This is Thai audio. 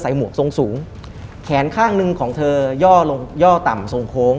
หมวกทรงสูงแขนข้างหนึ่งของเธอย่อลงย่อต่ำทรงโค้ง